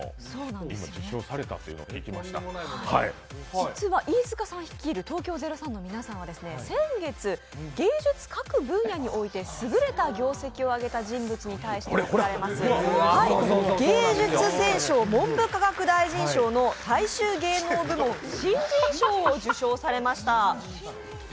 実は飯塚さんを率いる、東京０３の皆さんは、優れた業績を上げた人物に対して贈られる芸術選奨文部科学大臣賞の大衆芸能部門・新人賞を受賞されました。